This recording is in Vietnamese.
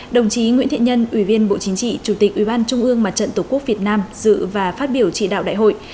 đồng chí nguyễn thiện nhân ủy viên bộ chính trị chủ tịch ủy ban trung ương mặt trận tổ quốc việt nam dự và phát biểu chỉ đạo đại hội